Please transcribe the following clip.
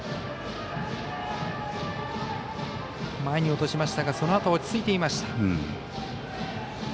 前に落としましたがそのあと落ち着いていました。